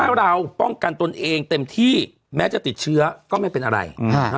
ถ้าเราป้องกันตนเองเต็มที่แม้จะติดเชื้อก็ไม่เป็นอะไร